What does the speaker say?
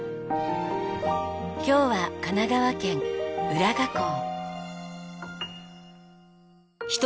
今日は神奈川県浦賀港。